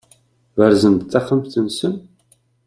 Berzen-d taxxamt-nsen?